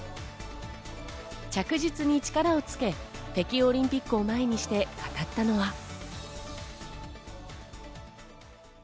着実に力をつけ、北京オリンピックを前にして語ったのは。